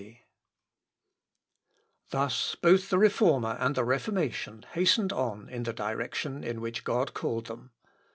] Thus both the Reformer and the Reformation hastened on in the direction in which God called them.